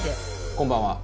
こんばんは。